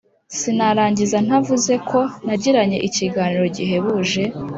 Sinarangiza ntavuze ko nagiranye ikiganiro gihebuje